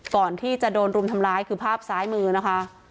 ก่อนที่จะโดนรุมทำร้ายคือภาพซ้ายมือนะคะ